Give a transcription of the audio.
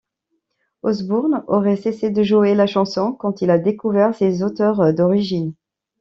Osbourne aurait cessé de jouer la chanson quand il a découvert ses auteurs d'origines.